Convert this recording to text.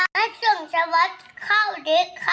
นักศึกสวัสดีครับ